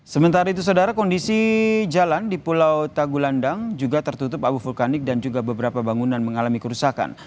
sementara itu saudara kondisi jalan di pulau tagulandang juga tertutup abu vulkanik dan juga beberapa bangunan mengalami kerusakan